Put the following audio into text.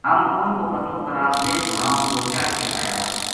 ہم اُنھ کو پتو کراں ویہ گھوڑاں پو چڑھ کے آیا